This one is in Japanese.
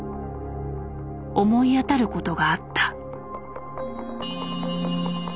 思い当たることがあった。